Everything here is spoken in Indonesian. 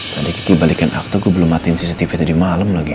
tadi kiki balikan akto gue belum matiin cctv tadi malem lagi